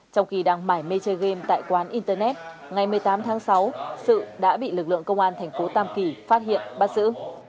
trong khi đang mải mê chơi game tại quán internet ngày một mươi tám tháng sáu sự đã bị lực lượng công an thành phố tam kỳ phát hiện bắt giữ